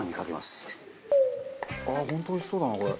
あっ本当おいしそうだなこれ。